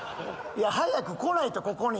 早く来ないとここに！